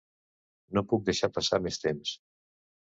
No puc deixar passar més temps.